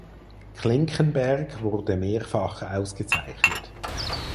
Klinkenberg wurde mehrfach ausgezeichnet.